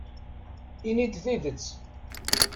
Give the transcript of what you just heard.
Ini-d tidet.